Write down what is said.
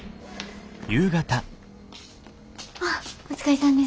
あお疲れさんです。